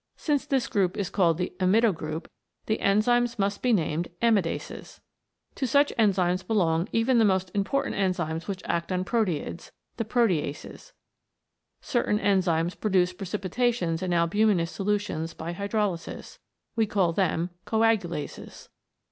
Since this group is called the Amido group, the enzymes must be named Amidases. To such enzymes belong even the most important enzymes which act on proteids, the Proteases. Certain enzymes produce precipita tions in albuminous solutions by hydrolysis. We call them Coagulases.